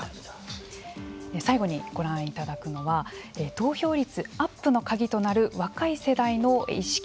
最後にご覧いただくのは投票率アップの鍵となる若い世代の意識。